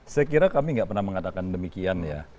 saya kira kami nggak pernah mengatakan demikian ya